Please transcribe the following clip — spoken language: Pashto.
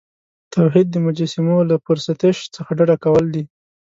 توحید د مجسمو له پرستش څخه ډډه کول دي.